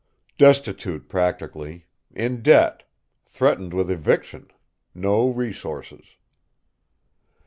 "Destitute, practically; in debt; threatened with eviction; no resources."